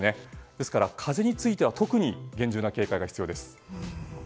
ですから、風については特に厳重な警戒が必要です。